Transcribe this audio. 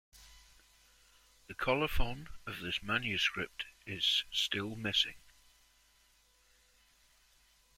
The colophon of this manuscript is still missing.